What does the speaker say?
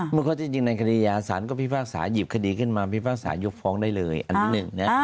ข้อที่จริงในคดียาศาลก็พิพากษาหยิบคดีขึ้นมาพิพากษายกฟ้องได้เลยอันที่หนึ่งนะ